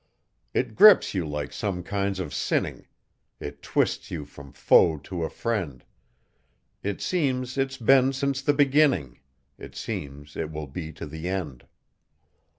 It grips you like some kinds of sinning; It twists you from foe to a friend; It seems it's been since the beginning; It seems it will be to the end.